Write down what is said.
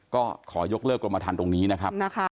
ก็ขอยกเลิกกรมฐานตรงนี้นะครับ